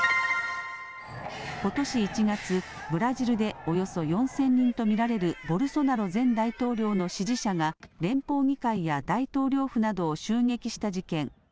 ことし１月、ブラジルでおよそ４０００人と見られるボルソナロ前大統領の支持者が、連邦議会や大統領府などを襲撃した事件。